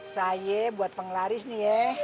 saya buat penglaris nih ya